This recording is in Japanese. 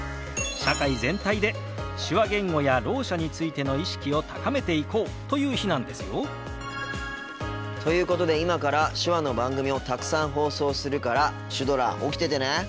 社会全体で手話言語やろう者についての意識を高めていこうという日なんですよ。ということで今から手話の番組をたくさん放送するからシュドラ起きててね。